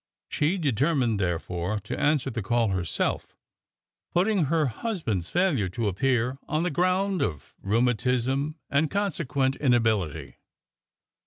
She determined, therefore, to answer the call herself, putting her husband's failure to appear on the ground of rheumatism and consequent ina bility.